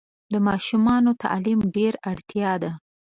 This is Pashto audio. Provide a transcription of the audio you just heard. د ماشومانو تعلیم ډېره اړتیا ده.